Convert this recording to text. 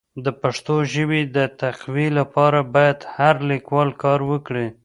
د پښتو ژبي د تقويي لپاره باید هر لیکوال کار وکړي.